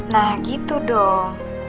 nah gitu dong